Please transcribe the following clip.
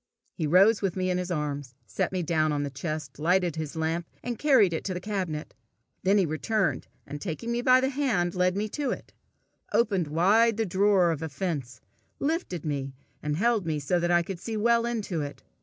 He rose with me in his arms, set me down on the chest, lighted his lamp, and carried it to the cabinet. Then he returned, and taking me by the hand, led me to it, opened wide the drawer of offence, lifted me, and held me so that I could see well into it.